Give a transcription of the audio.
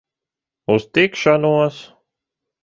Uz tikšanos!